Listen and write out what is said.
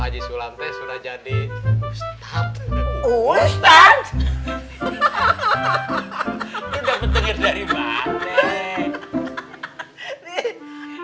aji sulante sudah jadi ustadz ustadz